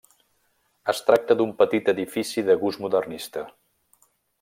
Es tracta d'un petit edifici de gust modernista.